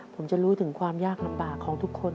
ผมจะรู้ถึงความยากลำบากของทุกคน